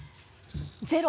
ゼロ。